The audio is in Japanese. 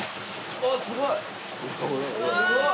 あっすごい！